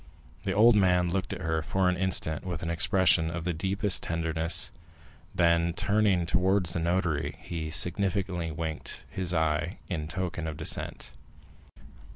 The old man looked at her for an instant with an expression of the deepest tenderness, then, turning towards the notary, he significantly winked his eye in token of dissent.